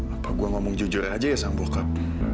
apa gue ngomong jujur aja ya sambokot